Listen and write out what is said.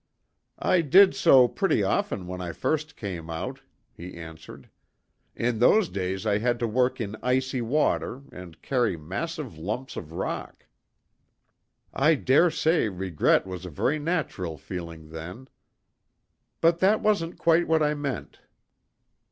"I did so pretty often when I first came out," he answered. "In those days, I had to work in icy water, and carry massive lumps of rock." "I dare say regret was a very natural feeling then; but that wasn't quite what I meant."